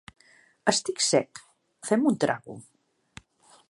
Estic sec. Fem un trago.